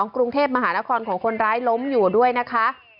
กรุงเทพมหานครของคนร้ายล้มอยู่ด้วยนะคะ